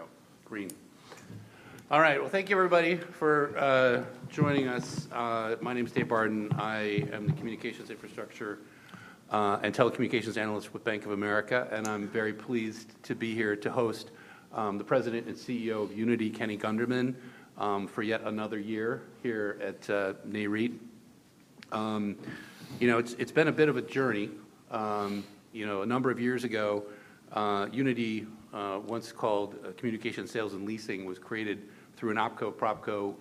There we go. Green. All right, well, thank you everybody for joining us. My name is David Barden. I am the communications infrastructure and telecommunications analyst with Bank of America, and I'm very pleased to be here to host the president and CEO of Uniti, Kenny Gunderman, for yet another year here at NAREIT. You know, it's, it's been a bit of a journey. You know, a number of years ago, Uniti once called Communications Sales and Leasing was created through an opco/propco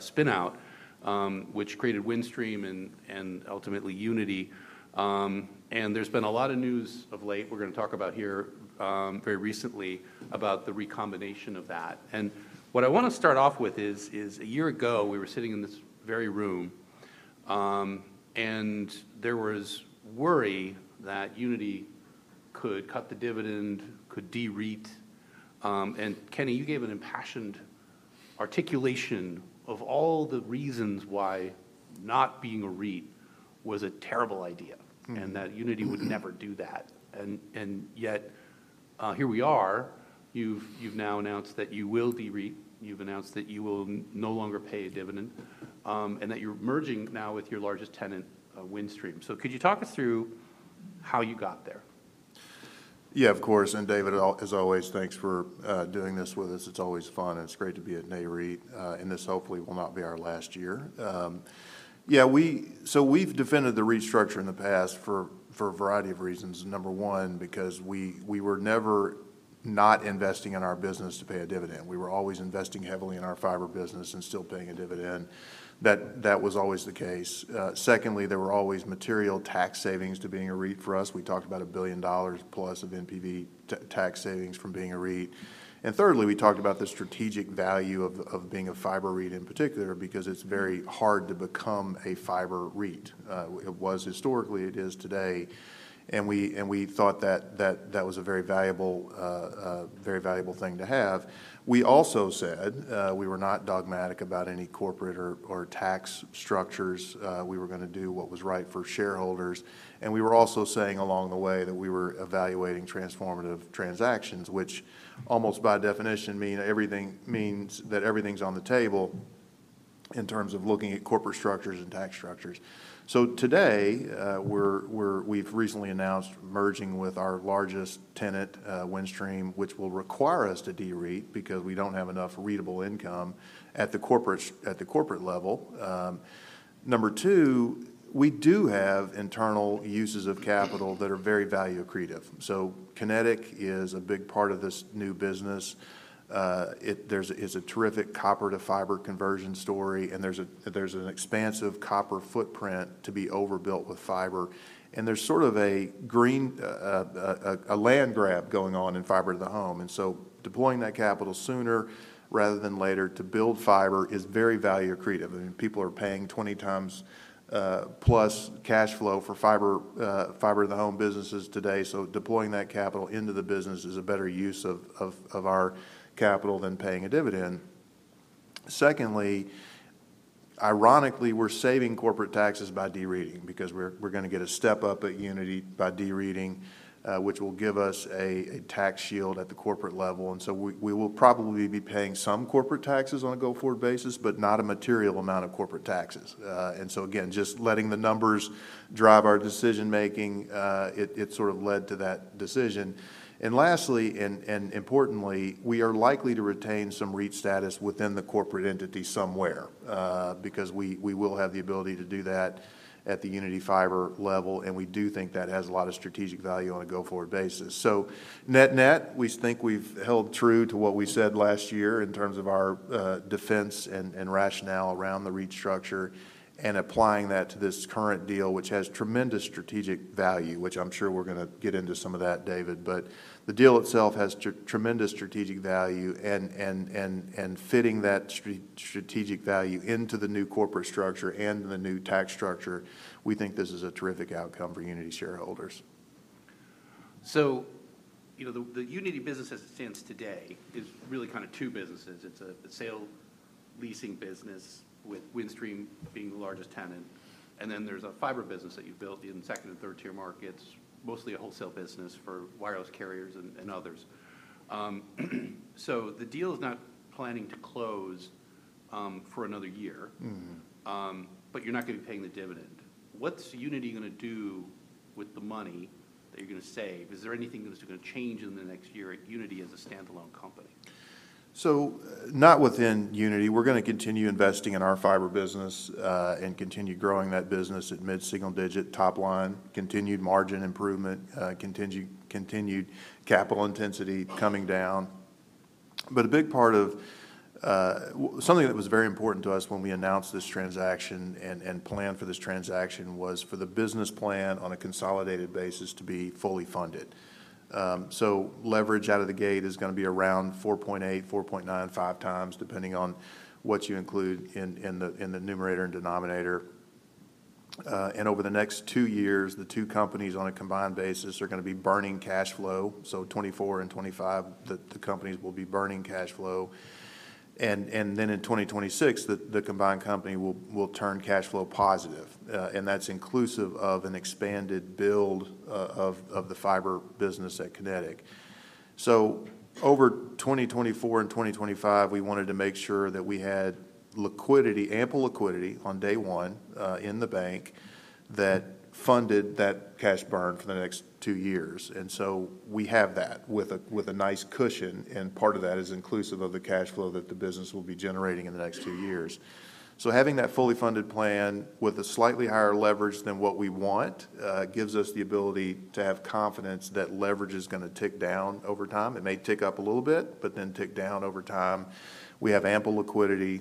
spinout, which created Windstream and ultimately Uniti. And there's been a lot of news of late, we're gonna talk about here, very recently, about the recombination of that. What I wanna start off with is a year ago, we were sitting in this very room, and there was worry that Uniti could cut the dividend, could de-REIT. And Kenny, you gave an impassioned articulation of all the reasons why not being a REIT was a terrible idea. And that Uniti would never do that. And yet, here we are, you've now announced that you will de-REIT, you've announced that you will no longer pay a dividend, and that you're merging now with your largest tenant, Windstream. So could you talk us through how you got there? Yeah, of course. And David, as always, thanks for doing this with us. It's always fun, and it's great to be at NAREIT, and this hopefully will not be our last year. Yeah, we've defended the REIT structure in the past for a variety of reasons. Number one, because we were never not investing in our business to pay a dividend. We were always investing heavily in our fiber business and still paying a dividend. That was always the case. Secondly, there were always material tax savings to being a REIT for us. We talked about $1 billion plus of NPV tax savings from being a REIT. And thirdly, we talked about the strategic value of being a fiber REIT in particular, because it's very hard to become a fiber REIT. It was historically, it is today, and we thought that was a very valuable thing to have. We also said we were not dogmatic about any corporate or tax structures. We were gonna do what was right for shareholders, and we were also saying along the way that we were evaluating transformative transactions, which almost by definition mean everything means that everything's on the table in terms of looking at corporate structures and tax structures. So today, we're we've recently announced merging with our largest tenant, Windstream, which will require us to de-REIT because we don't have enough REIT-able income at the corporate level. Number two, we do have internal uses of capital that are very value accretive. So Kinetic is a big part of this new business. It's a terrific copper-to-fiber conversion story, and there's an expansive copper footprint to be overbuilt with fiber. There's sort of a green land grab going on in fiber to the home, and so deploying that capital sooner rather than later to build fiber is very value accretive. I mean, people are paying 20x plus cash flow for fiber-to-the-home businesses today, so deploying that capital into the business is a better use of our capital than paying a dividend. Secondly, ironically, we're saving corporate taxes by de-REITing, because we're gonna get a step up at Uniti by de-REITing, which will give us a tax shield at the corporate level, and so we will probably be paying some corporate taxes on a go-forward basis, but not a material amount of corporate taxes. And so again, just letting the numbers drive our decision making, it sort of led to that decision. And lastly, and importantly, we are likely to retain some REIT status within the corporate entity somewhere, because we will have the ability to do that at the Uniti Fiber level, and we do think that has a lot of strategic value on a go-forward basis. So net-net, we think we've held true to what we said last year in terms of our defense and rationale around the REIT structure and applying that to this current deal, which has tremendous strategic value, which I'm sure we're gonna get into some of that, David. But the deal itself has tremendous strategic value and fitting that strategic value into the new corporate structure and the new tax structure, we think this is a terrific outcome for Uniti shareholders. So, you know, the Uniti business as it stands today is really kind of two businesses. It's a sale leasing business, with Windstream being the largest tenant, and then there's a fiber business that you've built in second and third tier markets, mostly a wholesale business for wireless carriers and others. So the deal is not planning to close for another year. Mm-hmm. But you're not gonna be paying the dividend. What's Uniti gonna do with the money that you're gonna save? Is there anything that's gonna change in the next year at Uniti as a standalone company? So, not within Uniti. We're gonna continue investing in our fiber business, and continue growing that business at mid-single-digit top line, continued margin improvement, continued capital intensity coming down. But a big part of something that was very important to us when we announced this transaction and planned for this transaction was for the business plan on a consolidated basis to be fully funded. So leverage out of the gate is gonna be around 4.8, 4.9, 5x, depending on what you include in the numerator and denominator. And over the next two years, the two companies on a combined basis are gonna be burning cash flow, so 2024 and 2025, the companies will be burning cash flow. And then in 2026, the combined company will turn cash flow positive. And that's inclusive of an expanded build, of the fiber business at Kinetic. So over 2024 and 2025, we wanted to make sure that we had liquidity, ample liquidity on day one, in the bank, that funded that cash burn for the next two years. And so we have that with a nice cushion, and part of that is inclusive of the cash flow that the business will be generating in the next two years. So having that fully funded plan with a slightly higher leverage than what we want, gives us the ability to have confidence that leverage is gonna tick down over time. It may tick up a little bit, but then tick down over time. We have ample liquidity,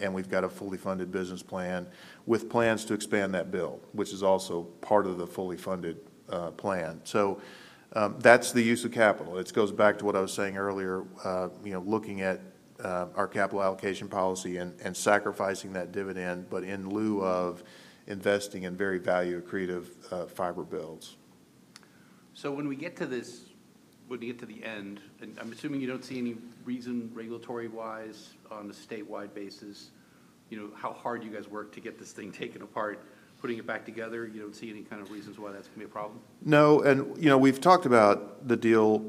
and we've got a fully funded business plan, with plans to expand that build, which is also part of the fully funded, plan. So, that's the use of capital. It goes back to what I was saying earlier, you know, looking at, our capital allocation policy and, and sacrificing that dividend, but in lieu of investing in very value-accretive, fiber builds. So when we get to the end, and I'm assuming you don't see any reason regulatory-wise, on a statewide basis, you know, how hard you guys worked to get this thing taken apart, putting it back together, you don't see any kind of reasons why that's gonna be a problem? No, and, you know, we've talked about the deal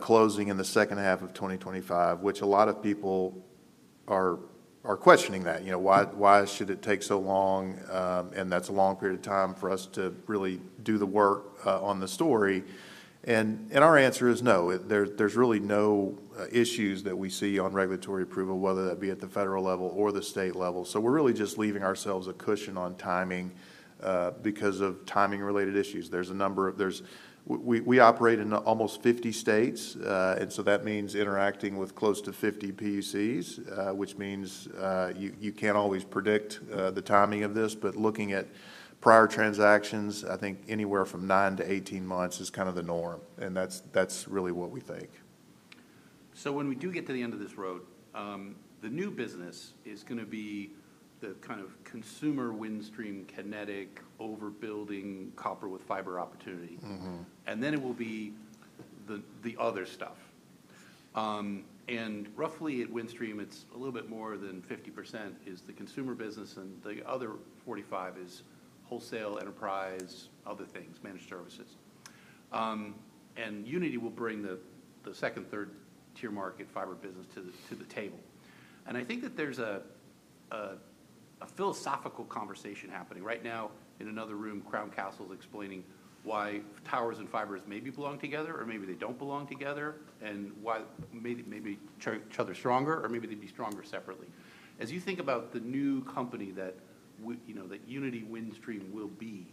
closing in the second half of 2025, which a lot of people are questioning that. You know, why should it take so long? And that's a long period of time for us to really do the work on the story. And our answer is no. There's really no issues that we see on regulatory approval, whether that be at the federal level or the state level. So we're really just leaving ourselves a cushion on timing because of timing-related issues. We operate in almost 50 states, and so that means interacting with close to 50 PUCs, which means you can't always predict the timing of this. But looking at prior transactions, I think anywhere from 9 to 18 months is kind of the norm, and that's, that's really what we think. So when we do get to the end of this road, the new business is gonna be the kind of consumer Windstream Kinetic overbuilding copper with fiber opportunity. Mm-hmm. And then it will be the, the other stuff. And roughly at Windstream, it's a little bit more than 50% is the consumer business, and the other 45% is wholesale, enterprise, other things, managed services. And Uniti will bring the, the second, third-tier market fiber business to the, to the table. And I think that there's a philosophical conversation happening. Right now, in another room, Crown Castle's explaining why towers and fibers maybe belong together or maybe they don't belong together, and why maybe each other stronger, or maybe they'd be stronger separately. As you think about the new company that you know, that Uniti Windstream will be,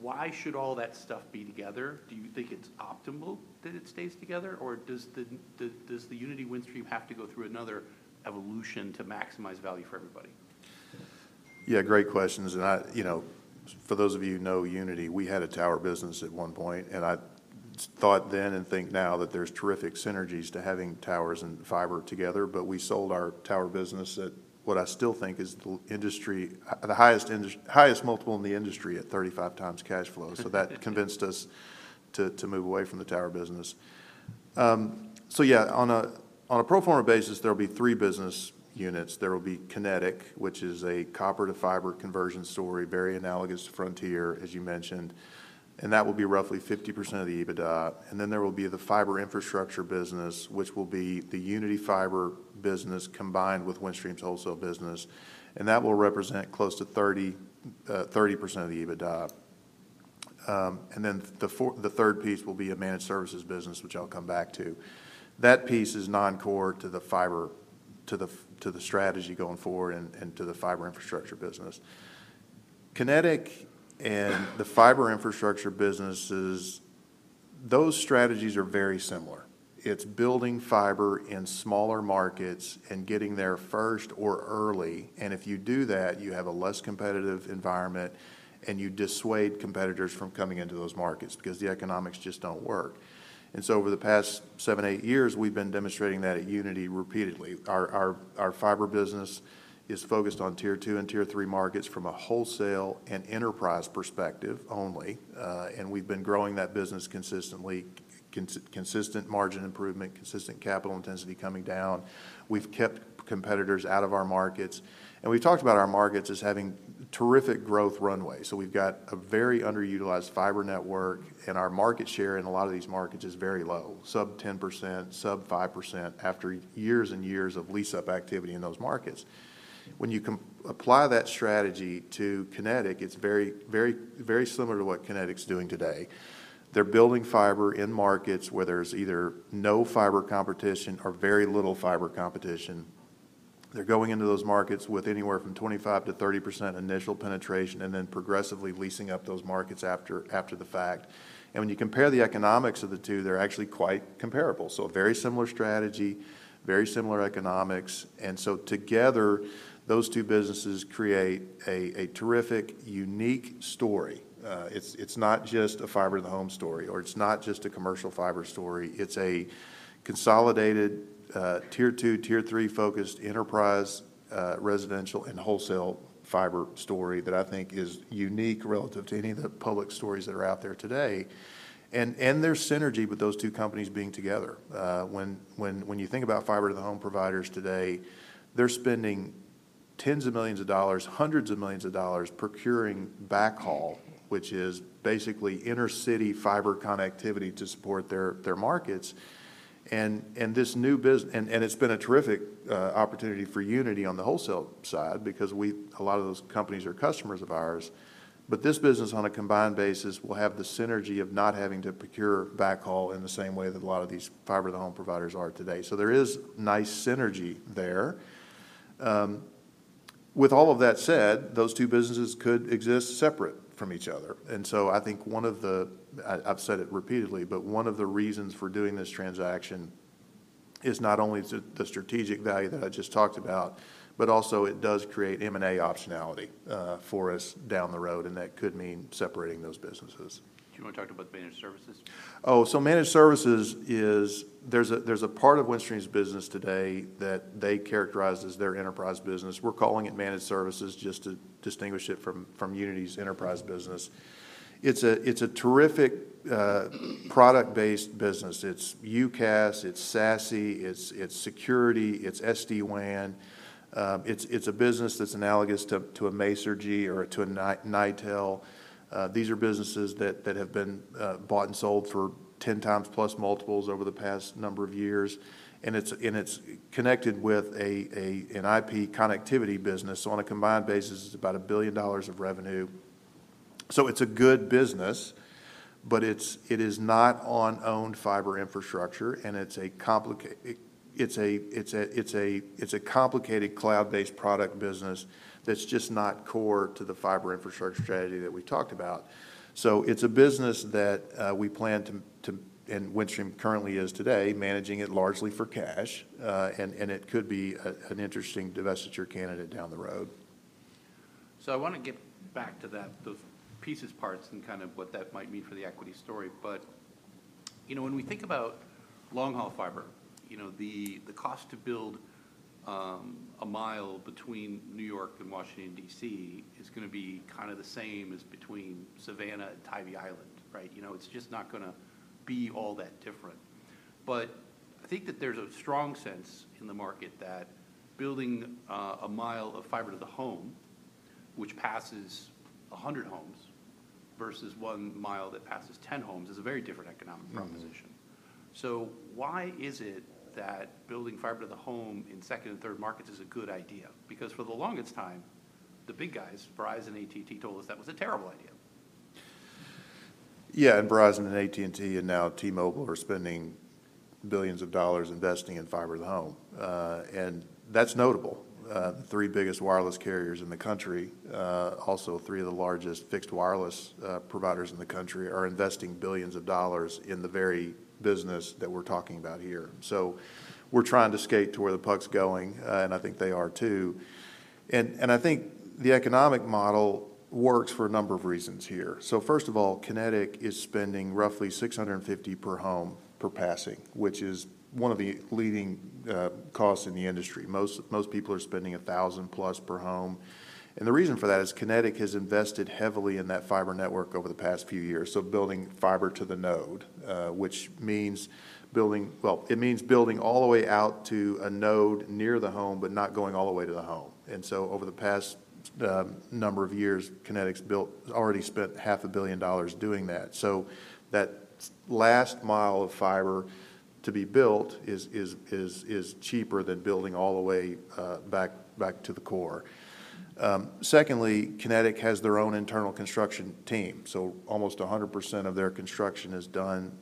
why should all that stuff be together? Do you think it's optimal that it stays together, or does the Uniti Windstream have to go through another evolution to maximize value for everybody? Yeah, great questions, and I you know, for those of you who know Uniti, we had a tower business at one point, and I thought then and think now that there's terrific synergies to having towers and fiber together. But we sold our tower business at what I still think is the industry, at the highest multiple in the industry at 35 times cash flow. So that convinced us to move away from the tower business. So yeah, on a pro forma basis, there will be three business units. There will be Kinetic, which is a copper-to-fiber conversion story, very analogous to Frontier, as you mentioned, and that will be roughly 50% of the EBITDA. Then there will be the fiber infrastructure business, which will be the Uniti Fiber business combined with Windstream's wholesale business, and that will represent close to 30% of the EBITDA. And then the third piece will be a managed services business, which I'll come back to. That piece is non-core to the fiber-to-the strategy going forward and to the fiber infrastructure business. Kinetic and the fiber infrastructure businesses, those strategies are very similar. It's building fiber in smaller markets and getting there first or early, and if you do that, you have a less competitive environment, and you dissuade competitors from coming into those markets because the economics just don't work. And so over the past seven to eight years, we've been demonstrating that at Uniti repeatedly. Our fiber business is focused on tier two and tier three markets from a wholesale and enterprise perspective only, and we've been growing that business consistently, consistent margin improvement, consistent capital intensity coming down. We've kept competitors out of our markets, and we've talked about our markets as having terrific growth runways. So we've got a very underutilized fiber network, and our market share in a lot of these markets is very low, sub 10%, sub 5%, after years and years of lease-up activity in those markets. When you apply that strategy to Kinetic, it's very, very, very similar to what Kinetic's doing today. They're building fiber in markets where there's either no fiber competition or very little fiber competition. They're going into those markets with anywhere from 25% to 30% initial penetration and then progressively leasing up those markets after the fact. When you compare the economics of the two, they're actually quite comparable. A very similar strategy, very similar economics, and so together, those two businesses create a terrific, unique story. It's not just a fiber to the home story, or it's not just a commercial fiber story. It's a consolidated, tier two, tier three-focused enterprise, residential and wholesale fiber story that I think is unique relative to any of the public stories that are out there today. And there's synergy with those two companies being together. When you think about fiber to the home providers today, they're spending tens of millions of dollars, hundreds of millions of dollars procuring backhaul, which is basically inter-city fiber connectivity to support their markets. And this new business, and it's been a terrific opportunity for Uniti on the wholesale side, because a lot of those companies are customers of ours. But this business, on a combined basis, will have the synergy of not having to procure backhaul in the same way that a lot of these fiber-to-the-home providers are today. So there is nice synergy there. With all of that said, those two businesses could exist separate from each other, and so I think one of the- I've said it repeatedly, but one of the reasons for doing this transaction is not only the strategic value that I just talked about, but also it does create M&A optionality for us down the road, and that could mean separating those businesses. Do you want to talk about managed services? Oh, so managed services is. There's a part of Windstream's business today that they characterize as their enterprise business. We're calling it managed services, just to distinguish it from Uniti's enterprise business. It's a terrific product-based business. It's UCaaS, it's SASE, it's security, it's SD-WAN. It's a business that's analogous to a Masergy or to a Nitel. These are businesses that have been bought and sold for 10x+ multiples over the past number of years, and it's connected with an IP connectivity business. So on a combined basis, it's about $1 billion of revenue. So it's a good business, but it is not on owned fiber infrastructure, and it's a complicated cloud-based product business that's just not core to the fiber infrastructure strategy that we talked about. So it's a business that we plan to and Windstream currently is today, managing it largely for cash, and it could be an interesting divestiture candidate down the road. So I wanna get back to that, the pieces, parts, and kind of what that might mean for the equity story. But, you know, when we think about long-haul fiber, you know, the cost to build a mile between New York and Washington, D.C., is gonna be kind of the same as between Savannah and Tybee Island, right? You know, it's just not gonna be all that different. But I think that there's a strong sense in the market that building a mile of fiber to the home, which passes 100 homes, versus 1 mile that passes 10 homes, is a very different economic proposition. Mm-hmm. So why is it that building fiber to the home in second and third markets is a good idea? Because for the longest time, the big guys, Verizon, AT&T, told us that was a terrible idea. Yeah, and Verizon and AT&T, and now T-Mobile, are spending $ billions investing in fiber to the home, and that's notable. The three biggest wireless carriers in the country, also three of the largest fixed wireless providers in the country, are investing $ billions in the very business that we're talking about here. So we're trying to skate to where the puck's going, and I think they are too. And I think the economic model works for a number of reasons here. So first of all, Kinetic is spending roughly 650 per home per passing, which is one of the leading costs in the industry. Most people are spending $1,000+ per home, and the reason for that is Kinetic has invested heavily in that fiber network over the past few years, so building fiber to the node, which means building. Well, it means building all the way out to a node near the home, but not going all the way to the home. And so over the past number of years, Kinetic's already spent $500 million doing that. So that last mile of fiber to be built is cheaper than building all the way back to the core. Secondly, Kinetic has their own internal construction team, so almost 100% of their construction is done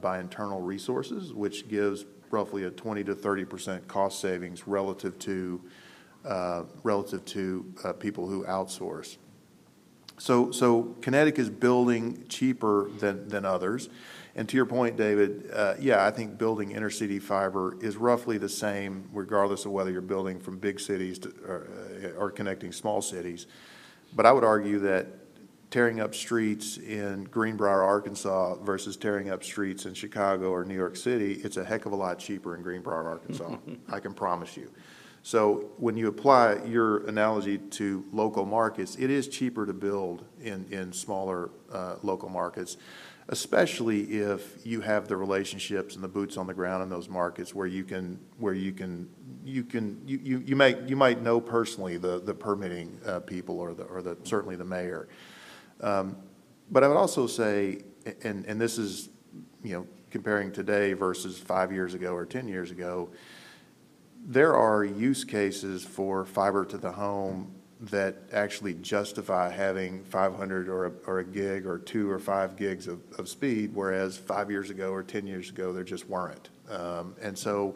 by internal resources, which gives roughly a 20% to 30% cost savings relative to people who outsource. Kinetic is building cheaper than others. To your point, David, yeah, I think building inter-city fiber is roughly the same, regardless of whether you're building from big cities or connecting small cities. But I would argue that tearing up streets in Greenbrier, Arkansas, versus tearing up streets in Chicago or New York City, it's a heck of a lot cheaper in Greenbrier, Arkansas. I can promise you. So when you apply your analogy to local markets, it is cheaper to build in smaller local markets, especially if you have the relationships and the boots on the ground in those markets where you might know personally the permitting people or the mayor, certainly. But I would also say, and this is, you know, comparing today versus 5 years ago or 10 years ago, there are use cases for fiber to the home that actually justify having 500 or 1 Gb, or 2 or 5 Gb of speed, whereas 5 years ago or 10 years ago, there just weren't. And so,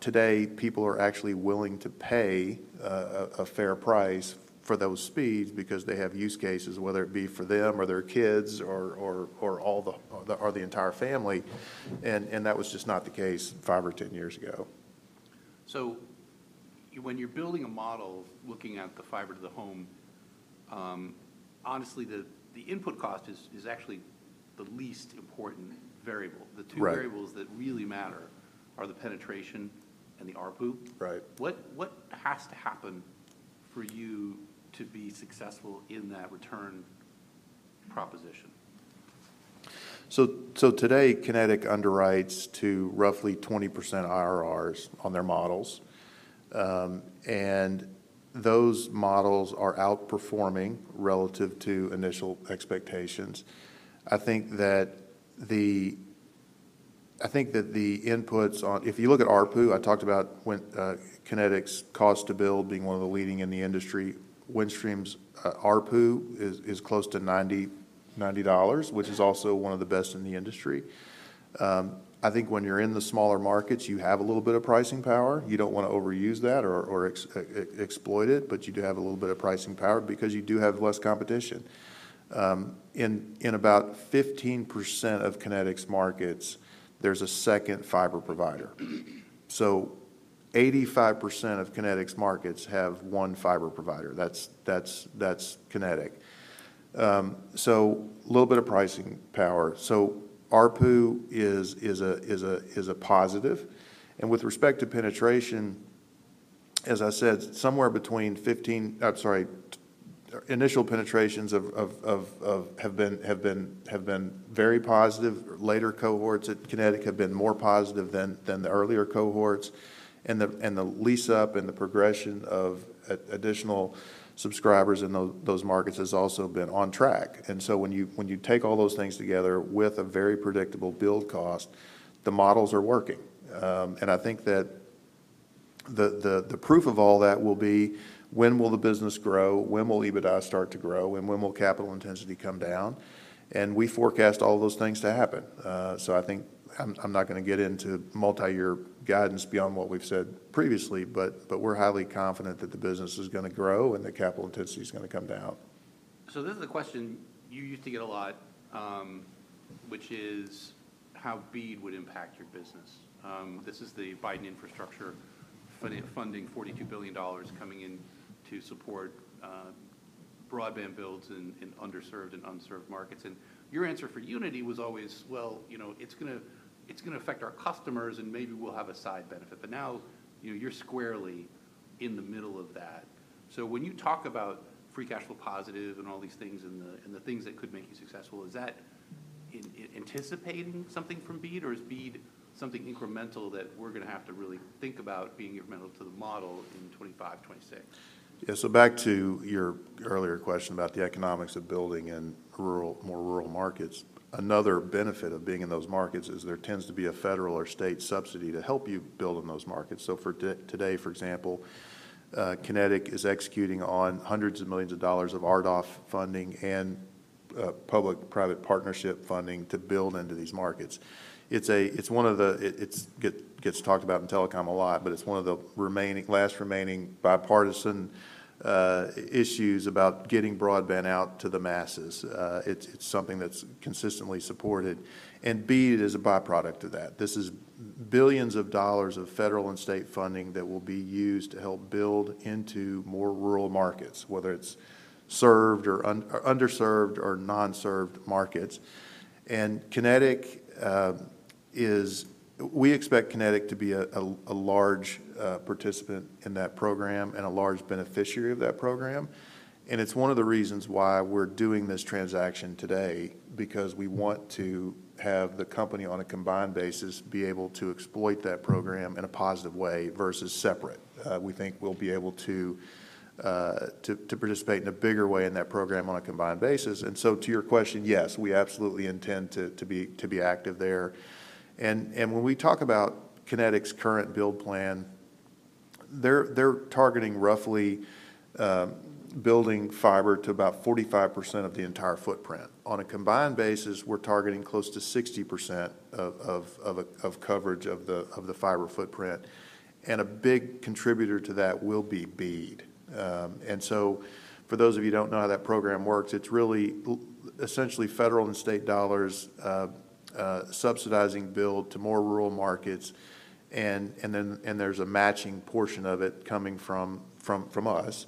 today, people are actually willing to pay a fair price for those speeds because they have use cases, whether it be for them or their kids or the entire family, and that was just not the case 5 or 10 years ago. So when you're building a model, looking at the fiber to the home, honestly, the input cost is actually the least important variable. Right. The two variables that really matter are the penetration and the ARPU. Right. What has to happen for you to be successful in that return proposition? So today, Kinetic underwrites to roughly 20% IRRs on their models, and those models are outperforming relative to initial expectations. I think that the inputs on. If you look at ARPU, I talked about when Kinetic's cost to build being one of the leading in the industry. Windstream's ARPU is close to $90, which is also one of the best in the industry. I think when you're in the smaller markets, you have a little bit of pricing power. You don't wanna overuse that or exploit it, but you do have a little bit of pricing power because you do have less competition. In about 15% of Kinetic's markets, there's a second fiber provider. So 85% of Kinetic's markets have one fiber provider. That's Kinetic. So a little bit of pricing power. So ARPU is a positive. And with respect to penetration, as I said, initial penetrations have been very positive. Later cohorts at Kinetic have been more positive than the earlier cohorts, and the lease-up and the progression of additional subscribers in those markets has also been on track. And so when you take all those things together with a very predictable build cost, the models are working. And I think that the proof of all that will be: When will the business grow? When will EBITDA start to grow, and when will capital intensity come down? And we forecast all those things to happen. So, I think I'm not gonna get into multiyear guidance beyond what we've said previously, but we're highly confident that the business is gonna grow and the capital intensity is gonna come down. So this is a question you used to get a lot, which is how BEAD would impact your business. This is the Biden infrastructure funding, funding $42 billion coming in to support broadband builds in underserved and unserved markets. And your answer for Uniti was always: "Well, you know, it's gonna, it's gonna affect our customers, and maybe we'll have a side benefit." But now, you know, you're squarely in the middle of that. So when you talk about free cash flow positive and all these things and the things that could make you successful, is that anticipating something from BEAD, or is BEAD something incremental that we're gonna have to really think about being incremental to the model in 2025, 2026? Yeah. So back to your earlier question about the economics of building in rural, more rural markets. Another benefit of being in those markets is there tends to be a federal or state subsidy to help you build in those markets. So today, for example, Kinetic is executing on hundreds of millions of dollars of RDOF funding and public-private partnership funding to build into these markets. It's one of the, it's gets talked about in telecom a lot, but it's one of the remaining, last remaining bipartisan issues about getting broadband out to the masses. It's something that's consistently supported, and BEAD is a by-product of that. This is billions of dollars of federal and state funding that will be used to help build into more rural markets, whether it's served or underserved or non-served markets. Kinetic is. We expect Kinetic to be a large participant in that program and a large beneficiary of that program, and it's one of the reasons why we're doing this transaction today, because we want to have the company, on a combined basis, be able to exploit that program in a positive way versus separate. We think we'll be able to participate in a bigger way in that program on a combined basis. So to your question, yes, we absolutely intend to be active there. And when we talk about Kinetic's current build plan, they're targeting roughly building fiber to about 45% of the entire footprint. On a combined basis, we're targeting close to 60% coverage of the fiber footprint, and a big contributor to that will be BEAD. And so for those of you who don't know how that program works, it's really essentially federal and state dollars subsidizing build to more rural markets, and then there's a matching portion of it coming from us.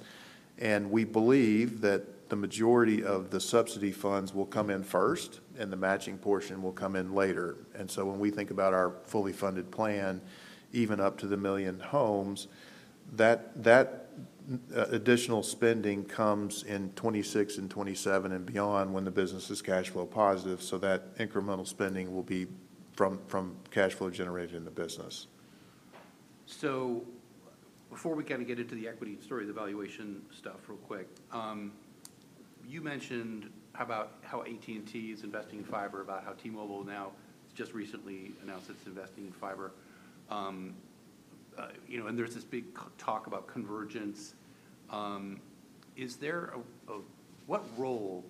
And we believe that the majority of the subsidy funds will come in first, and the matching portion will come in later. And so when we think about our fully funded plan, even up to 1 million homes, that additional spending comes in 2026 and 2027 and beyond when the business is cash flow positive, so that incremental spending will be from cash flow generated in the business. So before we kind of get into the equity story, the valuation stuff, real quick, you mentioned about how AT&T is investing in fiber, about how T-Mobile now just recently announced it's investing in fiber. You know, and there's this big talk about convergence. What role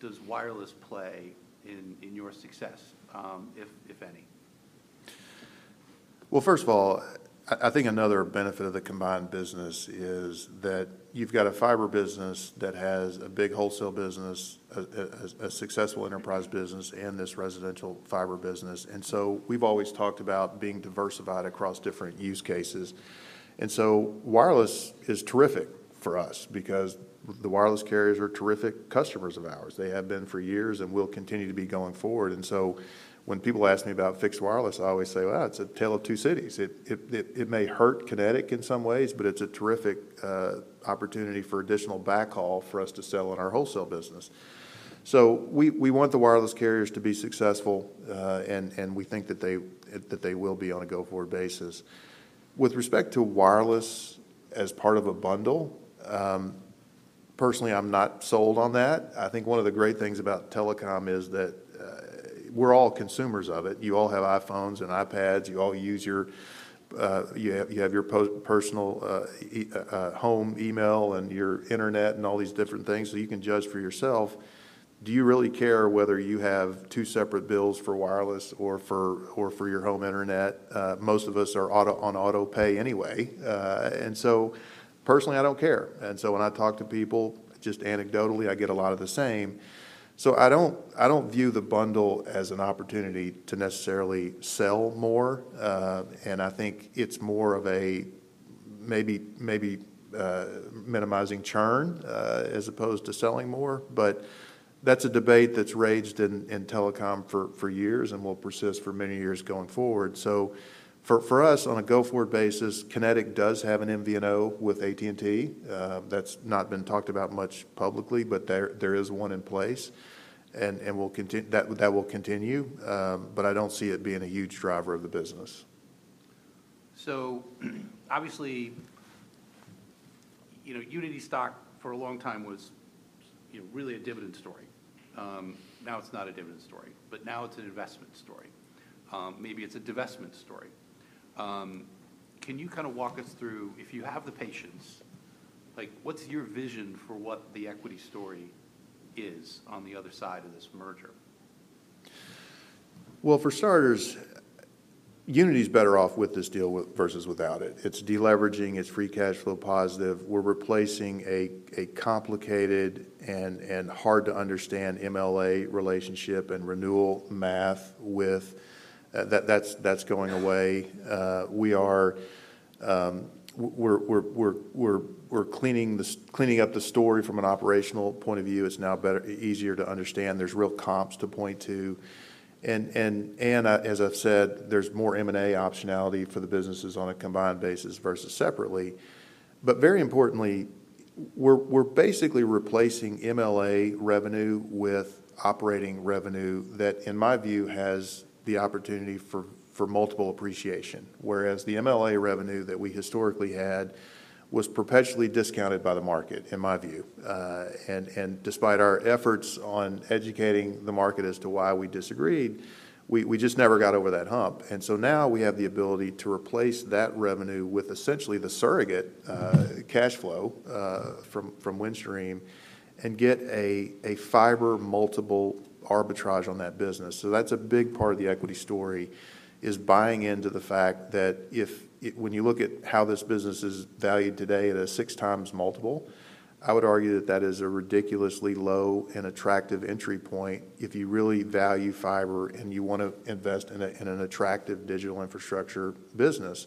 does wireless play in your success, if any? Well, first of all, I think another benefit of the combined business is that you've got a fiber business that has a big wholesale business, a successful enterprise business, and this residential fiber business, and so we've always talked about being diversified across different use cases. So wireless is terrific for us because the wireless carriers are terrific customers of ours. They have been for years and will continue to be going forward, and so when people ask me about fixed wireless, I always say, "Well, it's a tale of two cities." It may hurt Kinetic in some ways, but it's a terrific opportunity for additional backhaul for us to sell in our wholesale business. So we want the wireless carriers to be successful, and we think that they will be on a go-forward basis. With respect to wireless as part of a bundle, personally, I'm not sold on that. I think one of the great things about telecom is that, we're all consumers of it. You all have iPhones and iPads, you all use your, you have your personal home email, and your internet, and all these different things, so you can judge for yourself. Do you really care whether you have two separate bills for wireless or for your home internet? Most of us are on auto pay anyway. And so personally, I don't care, and so when I talk to people, just anecdotally, I get a lot of the same. So I don't, I don't view the bundle as an opportunity to necessarily sell more, and I think it's more of a maybe, maybe, minimizing churn, as opposed to selling more. But that's a debate that's raged in telecom for years and will persist for many years going forward. So for us, on a go-forward basis, Kinetic does have an MVNO with AT&T. That's not been talked about much publicly, but there is one in place, and that will continue. But I don't see it being a huge driver of the business. So obviously, you know, Uniti stock, for a long time was, you know, really a dividend story. Now it's not a dividend story, but now it's an investment story. Maybe it's a divestment story. Can you kind of walk us through, if you have the patience, like, what's your vision for what the equity story is on the other side of this merger? Well, for starters, Uniti's better off with this deal with versus without it. It's de-leveraging, it's free cash flow positive. We're replacing a complicated and hard to understand MLA relationship and renewal math with... That's going away. We're cleaning up the story from an operational point of view. It's now better, easier to understand. There's real comps to point to, and as I've said, there's more M and A optionality for the businesses on a combined basis versus separately. But very importantly, we're basically replacing MLA revenue with operating revenue that, in my view, has the opportunity for multiple appreciation, whereas the MLA revenue that we historically had was perpetually discounted by the market, in my view. And despite our efforts on educating the market as to why we disagreed, we just never got over that hump. And so now we have the ability to replace that revenue with essentially the surrogate cash flow from Windstream and get a fiber multiple arbitrage on that business. So that's a big part of the equity story, is buying into the fact that when you look at how this business is valued today at a 6x multiple, I would argue that is a ridiculously low and attractive entry point if you really value fiber and you want to invest in an attractive digital infrastructure business.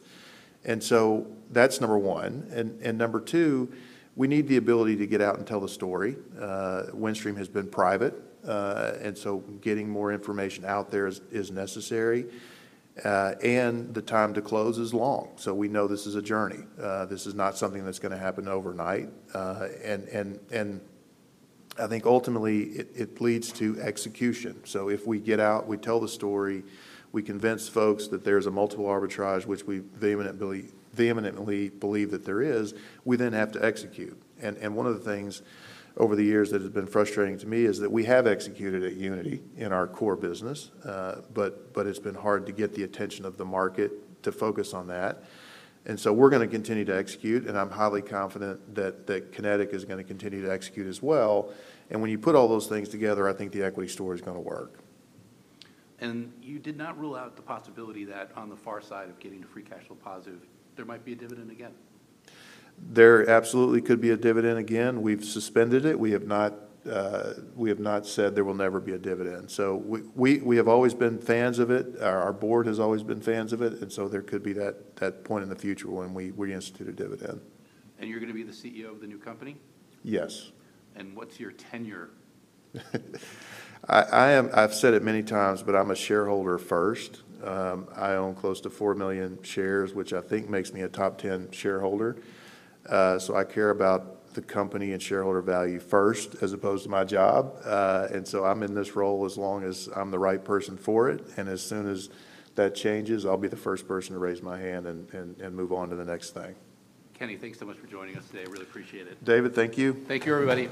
And so that's number one, and number two, we need the ability to get out and tell the story. Windstream has been private, and so getting more information out there is necessary, and the time to close is long. So we know this is a journey. This is not something that's gonna happen overnight. And I think ultimately, it leads to execution. So if we get out, we tell the story, we convince folks that there's a multiple arbitrage, which we vehemently, vehemently believe that there is, we then have to execute. And one of the things over the years that has been frustrating to me is that we have executed at Uniti in our core business, but it's been hard to get the attention of the market to focus on that. And so we're gonna continue to execute, and I'm highly confident that Kinetic is gonna continue to execute as well, and when you put all those things together, I think the equity story is gonna work. You did not rule out the possibility that on the far side of getting to free cash flow positive, there might be a dividend again? There absolutely could be a dividend again. We've suspended it. We have not, we have not said there will never be a dividend. So we, we have always been fans of it. Our, our board has always been fans of it, and so there could be that, that point in the future when we, we institute a dividend. You're gonna be the CEO of the new company? Yes. What's your tenure? I've said it many times, but I'm a shareholder first. I own close to 4 million shares, which I think makes me a top 10 shareholder. So I care about the company and shareholder value first, as opposed to my job. And so I'm in this role as long as I'm the right person for it, and as soon as that changes, I'll be the first person to raise my hand and move on to the next thing. Kenny, thanks so much for joining us today. I really appreciate it. David, thank you. Thank you, everybody.